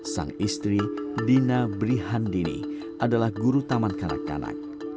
sang istri dina brihandini adalah guru taman kanak kanak